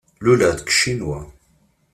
Luleɣ deg Ccinwa.